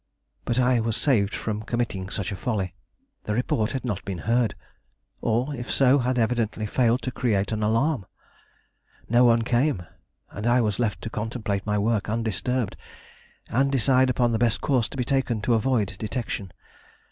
But I was saved from committing such a folly. The report had not been heard, or if so, had evidently failed to create an alarm. No one came, and I was left to contemplate my work undisturbed and decide upon the best course to be taken to avoid detection.